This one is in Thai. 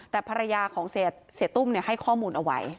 แต่ภรรยาของเสียตุ้มให้ข้อมูลเอาไว้